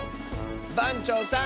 ばんちょうさん。